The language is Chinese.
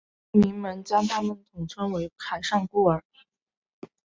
牧民们将他们统称为上海孤儿。